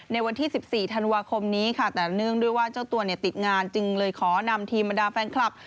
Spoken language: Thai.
ในวันที่๑๔ธันวาคมนี้ค่ะแต่เนื่องด้วยว่าเจ้าตัวเนี่ยติดงานจึงเลยขอนำทีมบรรดาแฟนคลับ